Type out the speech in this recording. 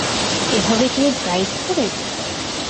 এভাবে কেউ ড্রাইভ করে?